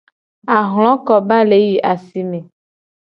Ahlokoba le yi asi me.